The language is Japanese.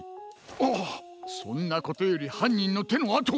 あっそんなことよりはんにんのてのあとを。